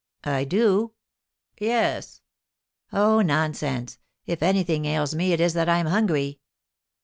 "I do?" "Yes." "Oh, nonsense! If anything ails me it is that I'm hungry."